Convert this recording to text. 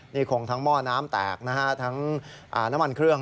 นี่คงทั้งหม้อน้ำแตกนะฮะทั้งน้ำมันเครื่อง